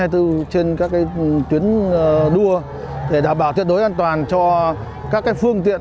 trên các tuyến đua để đảm bảo tuyệt đối an toàn cho các phương tiện